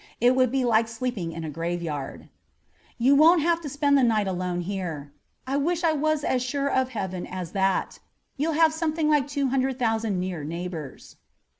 It would be like sleeping in a graveyard." "You won't have to spend the night alone here. I wish I was as sure of Heaven as that. You'll have something like two hundred thousand near neighbors."